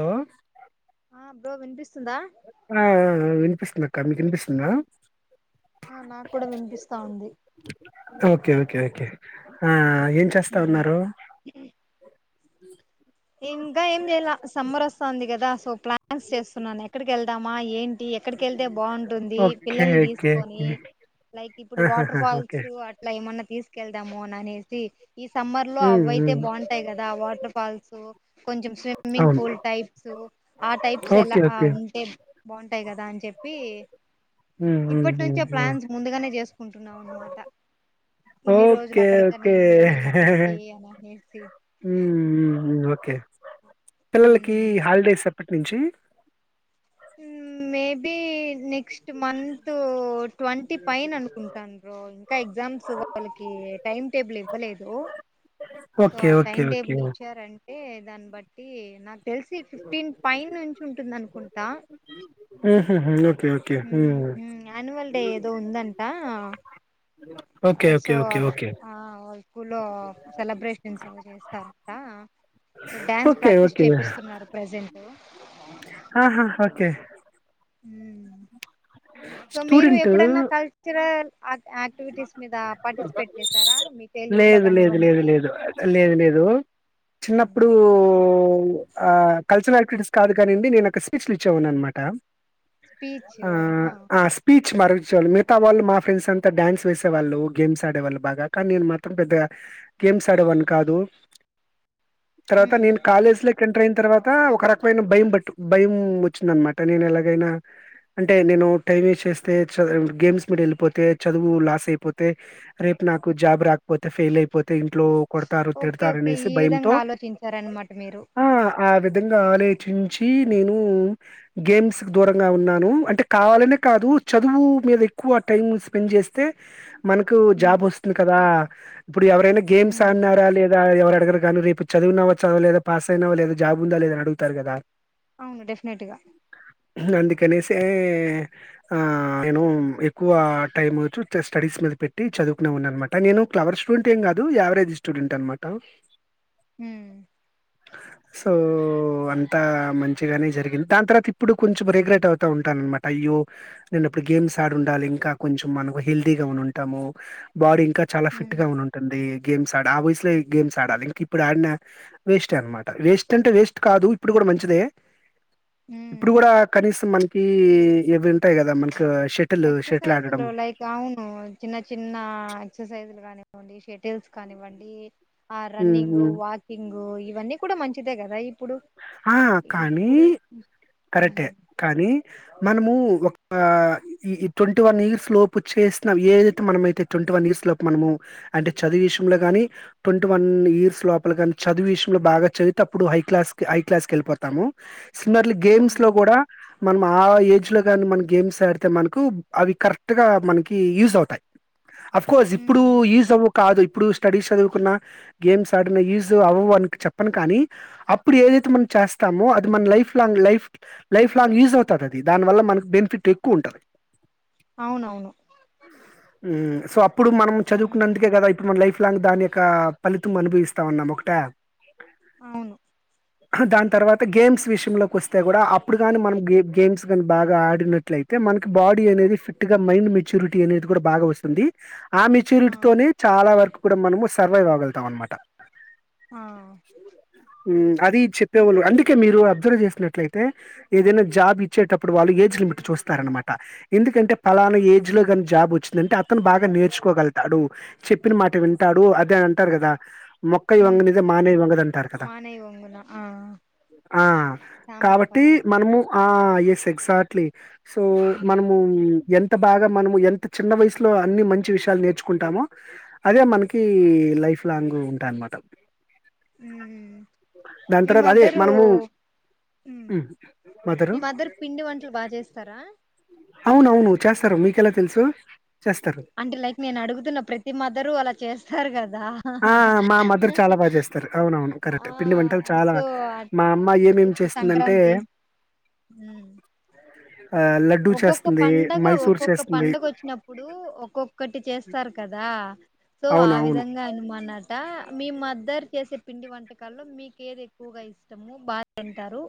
Hello ఆ bro వినిపిస్తుందా ఆ ఆ వినిపిస్తుందక్క మీకు వినిపిస్తుంద ఆ నాకు కూడా వినిపిస్తా ఉంది ఓకే ఓకే ఓకే ఆ ఏం చేస్తా ఉన్నారు ఇంకా ఏం చేయాల సమ్మర్ వస్తాంది కదా సో ప్లాన్స్ చేస్తున్నాను ఎక్కడికి వెళ్దామా ఏం టి ఎక్కడికెళ్తే బాగుంటుంది ఓకే పిల్లల్ని ఓకే తీసుకొని ఓకే లైక్ ఇప్పుడు ఆహాహా వాటర్ ఓకే ఫాల్స్ అట్లా ఏమన్నా తీస్ కెళ్దాము అని అనేసి ఈ సమ్మర్ లో ఉమ్ అవైతే ఉమ్ బాగుంటాయి కదా వాటర్ ఫాల్స్ కొంచం స్విమ్మింగ్ అవును పూల్ టైప్స్ ఆ టైప్స్ ఎలా ఓకే ఆ ఓకే ఉంటే బాగుంటాయి కదా అన్ చెప్పి ఉమ్ ఉమ్ ఇప్పటి ఉమ్ నుంచే ఉమ్ ప్లాన్స్ ముందుగానే చేసుకుంటున్నాం అన్నమాట ఇన్ని రోజులు ఓకే అక్కడికని ఓకే ఇన్ని రోజులు అక్కడికి అనినేసి మ్ మ్ మ్ ఓకే పిల్లలకి హాలిడేస్ ఎప్పటి నుంచి మ్ maybe naked next month twenty పైననుకుంటాను బ్రో ఇంకా ఎగ్జామ్స్ వాళ్ళకి టైమ్ టేబుల్ ఇవ్వలేదు అసో ఓకే ఆ ఓకే టైమ్ ఓకే టేబుల్ ఇచ్చారంటే దాన్ని బట్టి నాకు తెలిసి ఫిఫ్టీన్ పైన్ నుంచి ఉంటుంది అనుకు ట ఉహుహు ఓకే ఓకే మ్ ఉమ్ మ్మ్ ఆనువల్ డే ఏదో ఉందం కుంట ఓకే ఓకే సో ఓకే అద ఓకే ఆ స్కూల్లో సెలబ్రేషన్స్ ఏవో చేస్తారంట so dance okay practice okay చేపిస్తున్నారు ప్రజెంట్ ఆహా ఓకే సో మీరు స్టూడెంట్ ఎప్పుడన్నా కల్చరల్ అక్ యాక్టివిటీస్ మీద పార్టిసిపేట్ చేసారా మీ చైల్డ్ ఉడ్లో కానివ్వండి కు చిన్నప్పుడు కల్చరల్ ఆయాక్టివిటీస్ కాదు కానండి నేను అక్కడ స్పీచ్ లు ఇచ్చేవాన్ని అనమాట స్పీచ్ ఆ ఆ స్పీచ్ మచ్ మితా వాల్ మా ఫెన్న్ డాన్స్ వేసేవాళ్ళు. గేమ్స్ ఆడేవాళ్ళు బాగా కానీ నేను మాత్రం పెద్దగా గేమ్స్ ఆడేవాని కాదు. తర్వాత ఉమ్. నేన్ కాలేజ్ల క ఏంటరైనా తర్వాత ఒక రకమైన భయం పట్టు భయం వచ్చిందన్మాట నేన్ ఎలాగైనా అంటే నేను టైం వేస్ట్ చేస్తే చ గేమ్స్ మీద ఏళ్ళిపోతే చదువు లాసైపోతే రేప్ నాకు జాబ్ రాక్పోతే ఫెయిల్ అయిపో తె ఇంట్లో కొడ్తారు ఓకే తిడ్తారు ఓకే అనేసి ఈ భయంతో విధంగా ఆలోచించారనమాట మీరు ఆ ఆ విధంగా ఆలోచించి నేను గేమ్స్ దూరంగా ఉన్నాను అంటే కావాలనే కాదు చదువు మీద ఎక్కువ టైం స్పెండ్ చేస్తే మన్కు ఉమ్, జాబ్ ఓస్తుంది కదా ఇప్పుడు ఎవరైనా గేమ్స్ ఉమ్. ఆన్నారా లేదా ఎవ అడగరుగా రేపు చదివిన్నావా చద్వ లేదా పాస్ అయినావా లేదా జాబ్ ఉందా లేదా అని అడుగుతార్ కదా అవును డెఫ్నెట్గా అందుకనేసే ఆ నేను ఎక్కువ టైం చ్చు జస్ట్ స్టడీస్ మీద పెట్టి చదువుకునే వాడ్ని. అన్మాట నేను క్లేవర్ స్టూడెంట్ ఏం కాదు యావ్రేజ్ స్టూడెంట్ అన్మాట. ఉ హ్మ్ సో అంత మంచిగానే జరిగింది. దాన తర్వాత ఇప్పుడు కొంచెం రిగ్రెట్ అవుతా ఉంటాన్ అన్మాట. అయ్యో నేన్ ఇప్పుడు గేమ్స్ ఆడి ఉండాలి ఇంకా కొంచెం మనకు హెల్తీ గా ఉన్ ఉంటాము బాడీ ఇంకా చాలా ఫిట్ గా ఉన్ ఉంటుంది గేమ్స్ ఆ ఆ వయస్లో గేమ్స్ ఆడాలి ఇంకా ఇప్పుడ్ ఆడిన వేస్ట్ అన్మాట. వేస్ట్ అంటే వేస్ట్ కాదు ఇప్పుడు కూడా మంచిదే. ఇప్పుడు కూడా కనీసం మనకి ఇవి ఉంటాయి కదా. మనకి షటిల్ ష ఎక్సర్సైజ్ లైక్ అవును చిన్న చిన్న ఎక్సాసైజ్ కానివ్వండి షటిల్స్ కానివ్వండి ఆ హ్మ్. రన్నింగ్ హ్మ్. వాకింగ్ ఉ ఇవన్నీ కూడా మంచిదే కదా ఇప్పుడు ఆ కానీ ఇప్పుడు కరెక్టే ఉమ్, కానీ మనము ఒక ఈ ట్వంటీ వన్ ఇయర్స్ లోపు చేస్నవి ఏదైతే మనమ్మైతే ట్వన్ వన్ ఇర్స్ లో మనము అంటే చదువ్ విషయంలో గాని ట్వంటీ వన్ ఇయర్స్ లోపల గాని చదు విషయంలో బాగా చదివితే అప్పుడు హై క్లాస్ క హై క్లాస్ కి ఏళ్ళిపోతాము. సిమ్లర్లీ గేమ్స్ ఉమ్, లో కూడా మనం ఆ ఏజ్ లో కానీ మనం గేమ్స్ ఆడితే మన్కు అవి కరెక్ట్గా మనకి యూజ్ అవుతాయి. అఫ్ కోర్స్ ఇప్పుడు ఉమ్. ఈ స కాదు ఇప్పుడు స్టడీస్ చదువుకున్న గేమ్స్ ఆడిన ఈజ్ అవ్వవు అనికి చెప్పను కానీ ఇప్పుడు ఏదైతే మనం చేస్తామో అది మన్ lifelong life lifelong use అవుతాదది దాని వాళ్ళ మక్ బెన్ఫిట్ ఎక్కువుంటది అవునవును సో అప్పుడు మనం ఉమ్ చదువుకున్నందుకే కదా ఇప్ మన్ లైఫ్ లాంగ్ దాని యొక్క ఫలితం అనుభవిస్తాన్నం మొక్కటా అవ్ను దాన్ తర్వాత గేమ్స్ విషయంలోకి ఒస్తే కూడా అప్పుడ్ గాని మనం గే గేమ్స్ గానీ బాగా ఆడినట్లయితే అయితే మన్కి బాడీ అనేది ఫిట్ గా మైండ్ మెచ్యూరిటీ అనేది కూడా బాగా వస్తుంది. ఆ మెచ్యూరిటీతోనే చాలా వరకు కూడా మనము సర్వైవ్ అవ్వగలుతాం అన్మాట. ఆ ఊమ్ అది అంతే చెప్పేవాళ్ళు కదా అందుకే మీరు అబ్జర్వ్ చేస్ ట్లయితే ఏదైనా జాబ్ ఇచ్చేటప్పుడు వాళ్ళు ఏజ్ లిమిట్ చూస్తారన్మాట. ఎందుకంటే పలానా ఏ ఏజ్ లో గాని జాబ్ ఓచ్ అంటే అతను బాగా నేర్చుకోగల్తాడు. చెప్పినమాట వింటాడు అదే అంటారు కదా. మొక్క అయి ఉమ్ వంగనిద మానేయ్ వంగది అంటారు కదా మానై వంగున ఆ ఆ సామెత కాబట్టి భలే మనుము ఆ ఏస్ ఎక్సాక్ట్లీ సో ఉమ్ మన్ము ఎంత్ ఎంత బాగా మనం ఎంత చిన్న వయసులో అన్ని మంచి విషయాలు నేర్చుకుంటామో అదే మనకి లై లైఫ్ లాంగూ ఉంటా అన్మాట ఊమ్ మీ అదే మదరు మనము ఉమ్ హ్మ్. మదరు మీ మద్దర్ పిండి వంటలు బాగ్ చేస్తారా అవునవును చేస్తారు మీకెలా తెల్సు అంటే లైక్ నేన్ అడుగుతున్న ప్రతి మద్దరు అలా చేస్తారు కదా ఆ మా మదర్ చాలా బాగా చేస్తారు. అవునవును ఆ కరెక్టే పిండి వంటలు చాలా సో బా మా అట్లా అమ్మాయి ఏం ఇప్పుడు చేస్తుందంటే సంక్రాంతి ఉమ్ ఆహ్, లడ్డూ ఒక్కొక్క చేస్తుంది, పండగ మైసూర్ ఒక్కొక్క చేస్తుంది. పండగ వచ్చినప్పుడు ఒక్కొక్కటి చేస్తారు కదా సో ఆ అవునవును. విధంగా అనుమాన మీ మద్దర్ చేసే పిండి వంటకాల్లో మీక ఏది ఎక్కువగా ఇష్టము బాగా తింటారు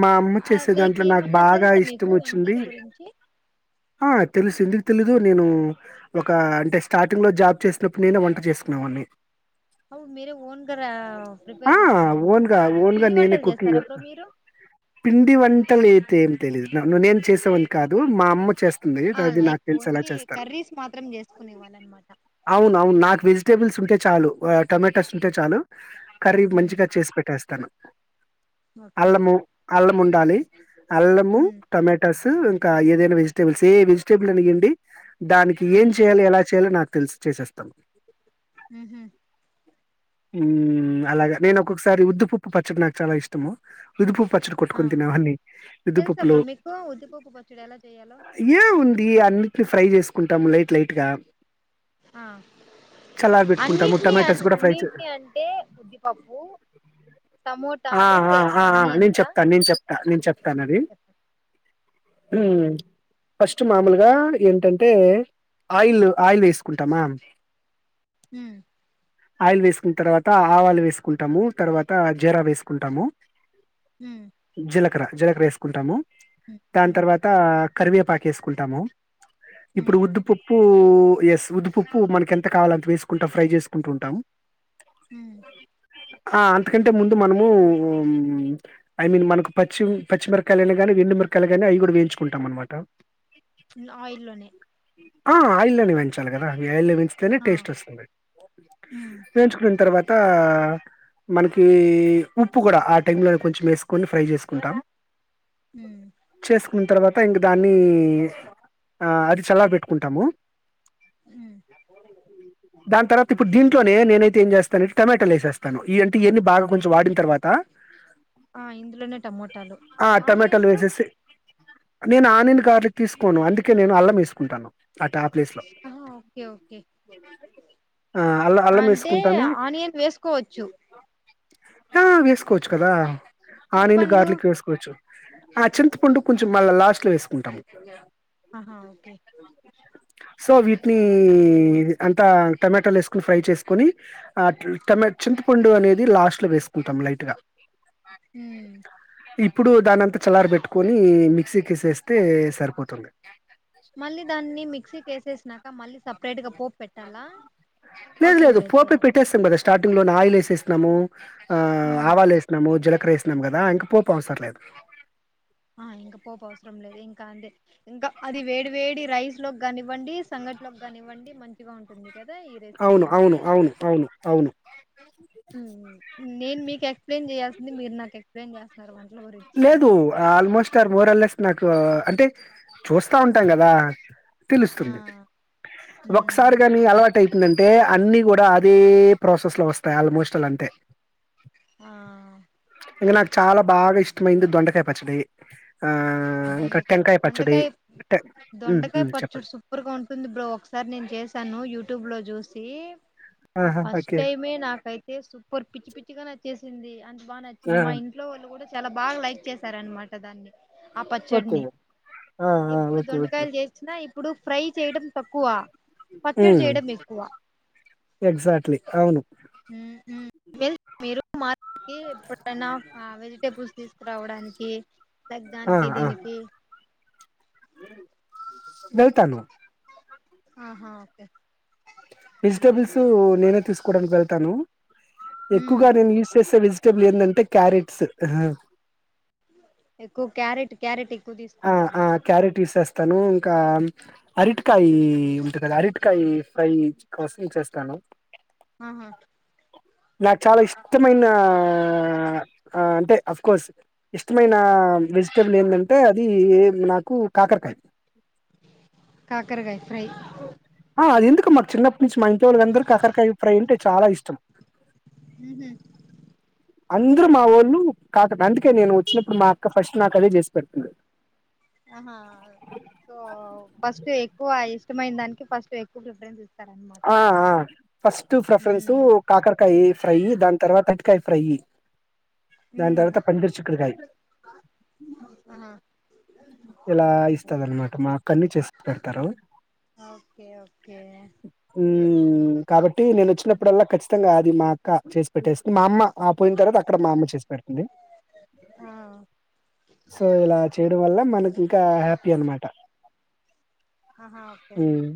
మా అమ్మ ఆ, చేసే లైక్ దాంట్లో నాకు ఏమన్నా బాగా తెలుసా ఇష్టం మీకు వచ్చింది వంటల గురించి హ తెలుసు ఎందుకుతెలిదు నేను ఒక అంటే స్టార్టింగ్ లో జాబ్ చేసినప్పుడు నేనే వంట చేసుకునేవాని అవు మీరే ఓన్గారు ఆ! ప్రిపేర్ చేస్తార అన్నమాట ఓన్‌గా, ఓన్‌గా పిండి నేనే వంటలు కుకింగ్. చేస్తారు బ్రో మీరు పిండి వంటలు అయితే ఏం తెలిదు ను నేను చేసేవని కాదు మా అమ్మ చేస్తా ఆ లైక్ ఓన్లీ కర్రీస్ మాత్రం చేసుకుని వారనిమాట విజిటేబుల్స్ ఉంటే చాలు టొమాటోస్ ఉంటే చాలు కర్రీ మంచిగా చేసి పెట్టేస్తాను ఓకే అలం ఉండాలి అల్లము ఉమ్, టమాటోసు ఏదైనా వెజిటేబుల్స్ ఏ వెజిటేబుల్ అనిగండి దానికి ఏం ఉమ్, చెయాలి ఎలా చేయాలి నాకు తెలిసు చేసేస్తా ఉహ్మ్ ఉమ్ అలాగ నేను ఒక్కొక్కసారి ఉద్దుపప్పు పచ్చడి నాకు చాలా ఇష్టము ఉదుపప్పు పచ్చడి ఆ, కొట్టుకుని తినేవాని తెలుసా ముద్దుపప్పులో బ్రో మీకు ఉద్దిపప్పు పచ్చడి ఎలా చేయాలో ఏ ఉంది అన్నింటిని ఫ్రై చేసుకుంటాము లైట్ లైట్ గా ఆ చల్లారబెట్టుకుంటాము. అన్నింటిని టొమాటోస్ కూడా ఫ్రై చే అన్నింటినీ అంటే ఉద్దిపప్పు టమోట ఆ ఆ నేను చెప్తాను నేను చెప్తా నేను చెప్తాను అది ఆ చెప్పండి ఉమ్ ఫస్ట్ మామూలుగా ఏంటంటే ఆయిల్ ఆయిల్ వేసుకుంటామా ఉమ్ ఆయిల్ వేసుకున్న తర్వాత ఆవాలు వేసుకుంటాము తర్వాత జీరా వేసుకుంటాము ఉమ్ జీలకర్ర జీలకర్ర వేసుకుంటాము దాని ఉమ్ తర్వాత కరివేపాక వేసుకుంటాము ఇప్పుడు ఉమ్ ఉద్దుపప్పు ఎస్ ఉదిపప్పు మనకి ఎంత కావాలంత వేసుకుంటా ఫ్రై చేసుకుంటు ఉంటాము హమ్ ఆ అంతకంటే ముందు మనము ఐ మీన్ మనకు పచ్చి పచ్చిమిరకాయనా గానీ వెండుమిిరకాయలు కానీ అవి కూడా వేయించుకుంటాం అనమాట ఆయిల్ లోనే ఆ ఆయిల్ లోనే వేయించాలి కదా వేయిలె స్తేనే ఆ టేస్ట్ వస్తది ఉమ్ వేంచుకున్న తర్వాత త మనకి ఉప్పు కూడా ఆ టైమ్ లోనే కొంచెం వేసుకొని ఫ్రై చేసుకుంటాం హుమ్ న్న తర్వాత ఇంక దాన్ని ఆ అది చల్ల పెట్టుకుంటాము ఉమ్ దాని తర్వాత ఇప్పుడు దీంలోనే నేన అైతే ఏం చేస్తానంటే టొమాటాలు వేస్తాను ఈ అంటే ఇవన్న బా కొంచెం వాడి తర్వాత ఆ ఇందులోనే టమోటాలు ఆ టమాటాలు ఆనియన్స్ వేసేసి నేను ఆనియన్ గార్లిక్ తీసుకోను అందుకే నేను అల్లం వేసుకుంటాను అట ఆ ప్లేస్ లో ఆహా ఓకే ఓకే ఆ అల్ల అల్లం అంటే వేసుకుంటము ఆనియన్ వేసుకోవచ్చు ఆ వేసుకోవచ్చు కదా ఆ రెండు చింతపండు గార్లిక్ వేసుకోవచ్చు ఆ చింత పండు కొంచెం మళ్ళ లాస్ట్ లో వేసుకుంటాము ఆహా ఓకే సో వీటిని అంతా టమాటాలు వేసుకుని ఫ్రై చేసుకొని ఆ ట్ల చింతపండు అనేది లాస్ట్ లో వేసుకుంటాం లైట్ గా ఉమ్ ఇప్పుడు దానంతా చల్లర పెట్టుకొని మిక్సీకిసేస్తే సరిపోతుంది మళ్ళీ దాన్ని మిక్సీ కేేసేసినాక మళ్ళీ సపరేట్ గా పోపు పెట్టాలా లేదు అవసరం లేదు పోపే కదా పెట్టేస్తుడం కదా స్టార్టింగ్ లోనే ఆయిల్ లెసెసినము ఆ ఉమ్ ఆవాలు వేసినాము జీలకర వేసినాం కదా ఇంక పోపు అవసరం లేదు ఆ ఇంకా పోపు అవసరం లేదు ఇంకా అంతే ఇంకా అది వేడి వేడి రైస్ లోకి కానివ్వండి సంగట్లోకి కానివ్వండి మంచిగా ఉంటుంది గదా ఈ రెసిపీ అవును అవును అండి అవును అవును అవును నేను మీకు ఎక్స్ప్లెయిన్ చేయాల్సింది మీరు నాకు ఎక్స్ప్లెయిన్ చేస్తున్నారు గురించి లేదు ఆల్మోస్ట్ సార్ మోరల్లెస్ నాకు అంటే చూస్తా ఉంటాం కదా ఆ తెలుస్తుంది ఒకసారి ఉమ్. గాని అలవాటయితుం అంటే అన్ని కూడా అదే ప్రాసెస్ లో వస్తాయి ఆల్మోస్ట్ అలా అంటే ఆ ఇంకా నాకు చాలా బాగా ఇష్టమైంది దొండకాయ పచ్చడి ఆ ఇంకా దొండకాయ టెంకాయ పచ్చడి దొండకాయ ఉమ్ దొండకాయ ఉమ్ పచ్చడి చెప్పండి సూపర్ గా ఉంటుంది బ్రో ఒకసారి నేను చేశాను యూట్యూబ్లో చూసి దీ ఆహా ఫస్ట్ ఓకే టైమే నాకైతే సూపర్ పిచ్చి పిచ్చిగా నచ్చేసింది అంత బాగా నచ్చింది ఆ మా ఇంట్లో వాళ్ళు కూడా చాలా బాగా లైక్ చేశారనమాట దాన్ని ఆ ఓకే పచ్చడిని ఆ ఆ ఎప్పుడు ఓకే ఓకే దొండకాయలు తెచ్చిన ఇప్పుడు ఫ్రై చేయడం తక్కువ పచ్చెడి చేయడం ఎక్కువా ఎక్సాట్లీ అవును హ్మ్ హ్మ్ మీరు మార్ట్ కీ ఎప్పుడైనా వెజిటేబుల్స్ తీసుకురావడానికి ఆ పెద్దనికి ఆ దీనికి వెళ్తాను ఆహా ఓకే వెజిటబుల్స్ నేనే తీసుకోవడానికి వెళ్తాను ఉమ్ ఎక్కువ నేను యూస్ చేసె ఏందంటే క్యారెట్స్ ఎక్కువ క్యారెట్ క్యారెట్ ఎక్కువ ఆ తీసుకుంటారు ఆ మీరు క్యారెట్ యూస్ చేస్త తను ఇంకా అరటికాయ ఉంట కదా అరటికాయ ఫ్రై కోసం చేస్తాను ఆహా నాకు చాలా ఇష్టమైన ఆ అంటే అఫ్ కోర్స్ ఇష్టమైన వెజిటేబుల్ ఏందం టే అంది నాకు కాకరకాయ కాకరకాయ ఫ్రై క మకు చిన్నప్పటి నుంచి మా ఇంటి వాళ్ళ అందరూ కకరకాయ ఫ్రై అంటే చాలా ఇష్టం ఉహు అందరు మా ఓళ్ళు కాకండ అందుకే నేను వచ్చినప్పుడు మా అక్క ఫస్ట్ నాకు అదే చేసి పెడుతుంది ఆహా సో ఫస్ట్ ఎక్కువ ఇష్టమైన దానికె ఫస్ట్ ఎక్కువ ప్రిఫరెన్స్ ఇస్తు ఆ ఆ ఫస్ట్ ప్రిఫరెన్సు ఉమ్ కాకరకాయ ఫ్రై చేద్దాం తర్వాత అటికాయ ఫ్రై దాని ఉమ్ తరువాత పందురి చికుడుకాయ్ ఆహా ఇలా ఇస్తదన్నమాట మా అక్క అన్ని చేసి పెడతారు ఓకే ఓకే మ్ కాబట్టి నేను వచ్చినప్పుడల్లా ఖచ్చితంగా అది మా అక్క చేసి పెట్టేస్తది మా అమ్మ పోయిం తర్వాత అక్కడ మా అమ్మ చేసి పెడుతుంది ఆ సో ఇలా చేయడం వల్ల మనకింకా హ్యాపీ అనమాట అహా ఓకే మ్మ్